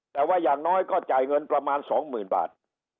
แต่ว่าอย่างน้อยก็จ่ายเงินประมาณ๒๐๐๐บาท